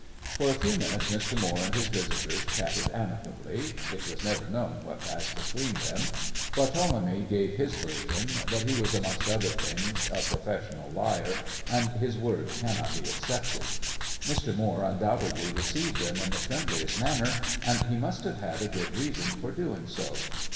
For a few minutes Mr. Moore and his visitors chatted amicably it was never known what passed between them Barthélemy gave his version, but he was, amongst other things, a professional liar, and his word cannot be accepted. Mr. Moore undoubtedly received them in the friendliest manner, and he must have had a good reason for doing so.